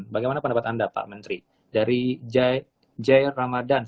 bagaimana pendapat anda pak menteri dari jaya ramadhan sembilan puluh dua